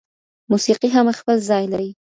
موسیقي هم خپل ځای لري.